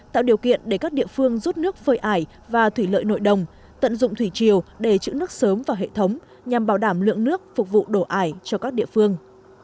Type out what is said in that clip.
tạo điều kiện để các địa phương rút nước phơi ải và thủy lợi nội đồng tận dụng thủy triều để chữ nước sớm vào hệ thống nhằm bảo đảm lượng nước phục vụ đổ ải cho các địa phương